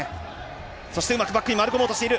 そして、うまくバックに回り込もうとしている。